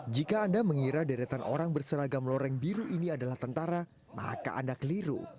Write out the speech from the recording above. jika anda mengira deretan orang berseragam loreng biru ini adalah tentara maka anda keliru